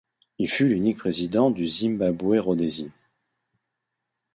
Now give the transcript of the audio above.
Il fut l'unique président du Zimbabwe-Rhodésie.